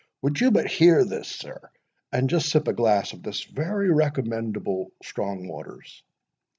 Would you but hear this, sir, and just sip a glass of this very recommendable strong waters?"